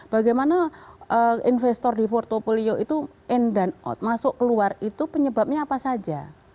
bagaimana investor di portfolio itu in dan out masuk keluar itu penyebabnya apa saja